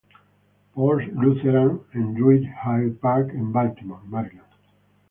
Paul's Lutheran en Druid Hill Park en Baltimore, Maryland.